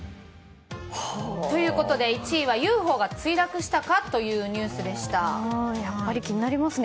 ということで１位はＵＦＯが墜落したかというやっぱり気になりますね。